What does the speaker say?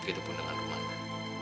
ketepun dengan rumana